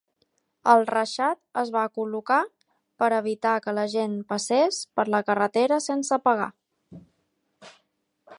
El reixat es va col·locar per evitar que la gent passés per la carretera sense pagar.